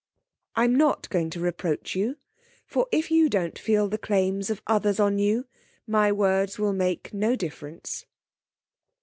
'I'm not going to reproach you, for if you don't feel the claims of others on you, my words will make no difference.